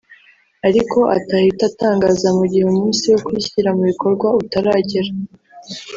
ariko atahita atangaza mu gihe umunsi wo kuyishyira mu bikorwa utaragera